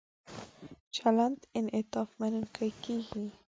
چلند انعطاف مننونکی کیږي.